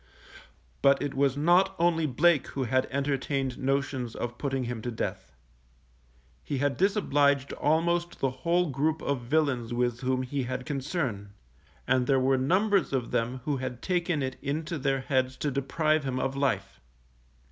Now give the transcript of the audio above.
But it was not only Blake who had entertained notions of putting him to death. He had disobliged almost the whole group of villains with whom he had concern, and there were numbers of them who had taken it into their heads to deprive him of life.